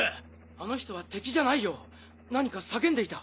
あの人は敵じゃないよ何か叫んでいた。